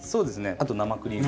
あと生クリーム。